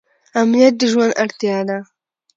امنیت د ژوند اړتیا ده